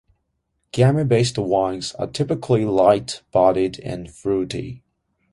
Gamay-based wines are typically light bodied and fruity.